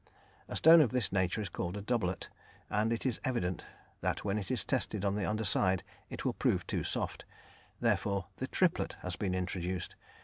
A stone of this nature is called a "doublet," and it is evident that when it is tested on the underside, it will prove too soft, therefore the "triplet" has been introduced.